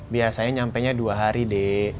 biasanya nyampe nya dua hari d